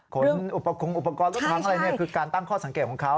ขนอุปกรณ์รถถังอะไรคือการตั้งข้อสังเกตของเขา